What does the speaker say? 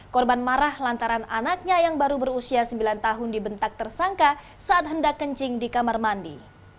korban marah lantaran anaknya yang baru berusia sembilan tahun dibentak tersangka saat hendak kencing di kamar mandi